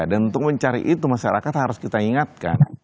dan untuk mencari itu masyarakat harus kita ingatkan